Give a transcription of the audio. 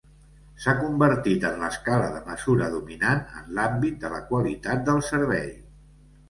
S'ha convertit en l'escala de mesura dominant en l'àmbit de la qualitat del servei.